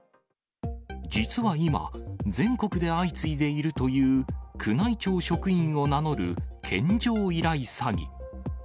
実は今、全国で相次いでいるという宮内庁職員を名乗る献上依頼詐欺。